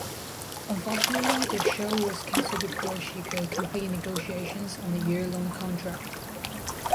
Unfortunately, the show was canceled before she could complete negotiations on a year-long contract.